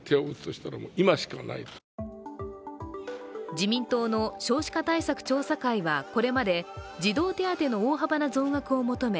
自民党の少子化対策調査会はこれまで、児童手当の大幅な増額を求め